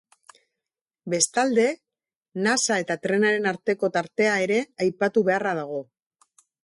Bestalde, nasa eta trenaren arteko tartea ere aipatu beharra dago.